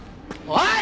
おい！！